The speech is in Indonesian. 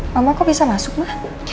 mama kok bisa masuk mah